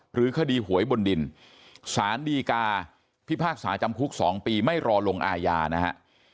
หรือคดีหวยบนดินสารดีกาพิพากษาจำคุก๒ปีไม่รอลงอาญานะฮะ